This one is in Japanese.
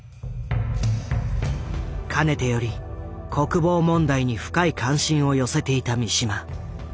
かねてより国防問題に深い関心を寄せていた三島。